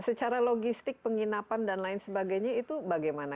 secara logistik penginapan dan lain sebagainya itu bagaimana